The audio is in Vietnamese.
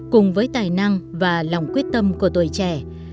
cùng với tài năng và lòng quyết tâm của tuổi trẻ